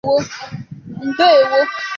ndeewo